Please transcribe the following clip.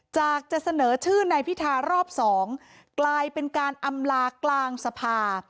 จะเสนอชื่อนายพิธารอบ๒กลายเป็นการอำลากลางสภา